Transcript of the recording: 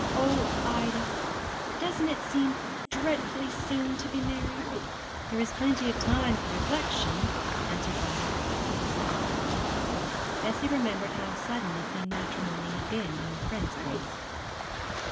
Oh, Ida! doesn't it seem dreadfully soon to be married?' 'There is plenty of time for reflection,' answered Ida, with a sigh. Bessie remembered how sudden a thing matrimony had been in her friend's case.